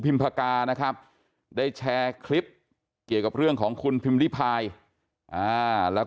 พากานะครับได้แชร์คลิปเกี่ยวกับเรื่องของคุณพิมพิพายแล้ว